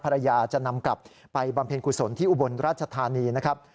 ภรรยาจะนำกลับไปบำเพ็ญกุศลที่อุบลราชธานีนะครับ